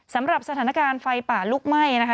สำหรับสถานการณ์ไฟป่าลุกไหม้นะคะ